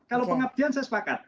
kalau pengabdian saya sepakat